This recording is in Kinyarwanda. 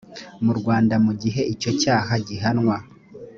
mu rwanda mu gihe icyo cyaha gihanwa